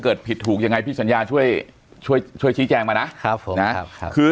เกิดผิดถูกยังไงพี่สัญญาช่วยช่วยช่วยชี้แจงมานะครับคือ